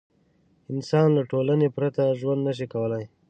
انسان له ټولنې پرته ژوند نه شي کولی.